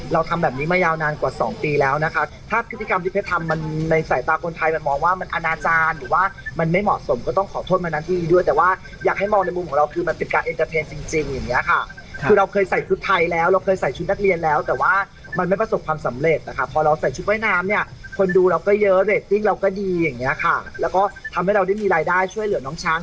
แล้วก็ทำให้เรามีรายได้ช่วยเหลือน้องช้าง